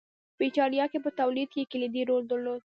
په اېټالیا کې په تولید کې یې کلیدي رول درلود